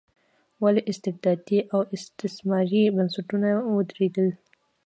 ولې استبدادي او استثماري بنسټونه ودرېدل.